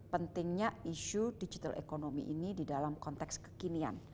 pentingnya isu digital economy ini di dalam konteks kekinian